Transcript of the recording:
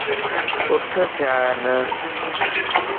اَٺ ٿيا ان